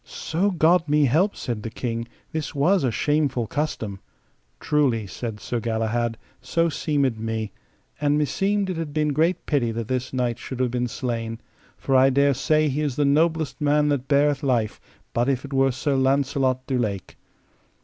So God me help, said the King, this was a shameful custom. Truly, said Sir Galahad, so seemed me; and meseemed it had been great pity that this knight should have been slain, for I dare say he is the noblest man that beareth life, but if it were Sir Launcelot du Lake.